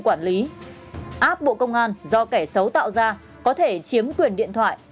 áp bộ công an do kẻ xấu tạo ra có thể chiếm quyền điện thoại